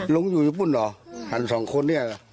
ลุงอยู่ญี่ปุ่นหรออืมท่านสองคนเนี้ย